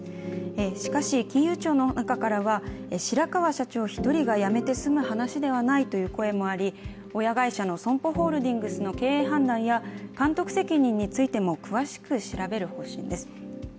しかし金融庁の中からは白川社長一人が辞めて済む話ではないという声もあり、親会社のＳＯＭＰＯホールディングスの経営判断や、監督責任についても詳しく調べる方針です。